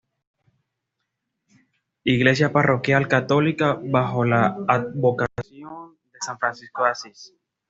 Iglesia parroquial católica bajo la advocación de San Francisco de Asís.